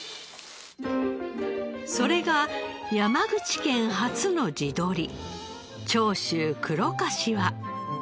それが山口県初の地鶏長州黒かしわ。